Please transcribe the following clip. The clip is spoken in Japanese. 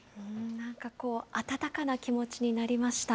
なんかこう、温かな気持ちになりました。